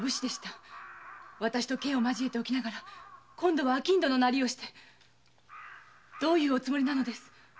私と剣を交えておきながら今度は商人のナリをしてどういうおつもりなのです？